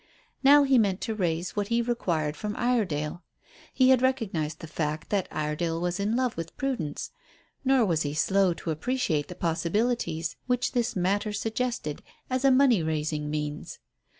Now he meant to raise what he required from Iredale. He had recognized the fact that Iredale was in love with Prudence, nor was he slow to appreciate the possibilities which this matter suggested as a money raising means.